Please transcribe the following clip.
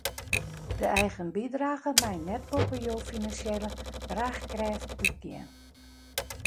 De eigen bydrage mei net boppe jo finansjele draachkrêft útgean.